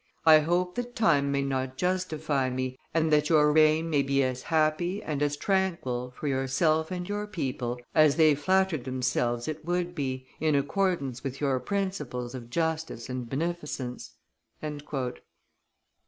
I hope that time may not justify me, and that your reign may be as happy and as tranquil, for yourself and your people, as they flattered themselves it would be, in accordance with your principles of justice and beneficence."